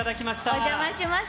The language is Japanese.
お邪魔します。